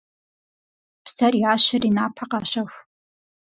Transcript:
Псэр ящэри напэ къащэху.